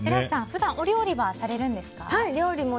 普段お料理はされるんですか。